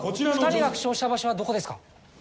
２人が負傷した場所はどこですか？